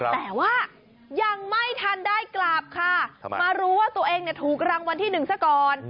แต่ว่ายังไม่ทันได้กลับค่ะมารู้ว่าตัวเองถูกรางวัลที่หนึ่งซะก่อน